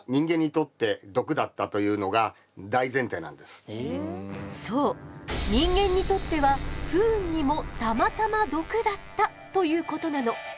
そもそもそう人間にとっては不運にもたまたま毒だったということなの。